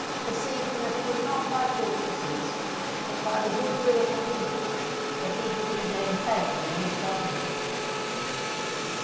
perceiving that it was not by fortresses, but by the good will of the people, that he could be maintained in his government.